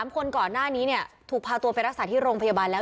๓คนก่อนหน้านี้เนี่ยถูกพาตัวไปรักษาที่โรงพยาบาลแล้ว